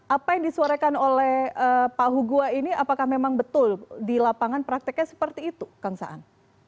apa yang disuarakan oleh pak hugua ini apakah memang betul di lapangan prakteknya seperti itu kang saan